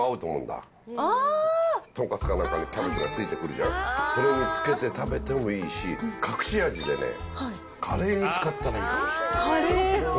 なんかにキャベツがついてくるじゃない、それにつけて食べてもいいし、隠し味でね、カレーに使ったらいいかもしれない。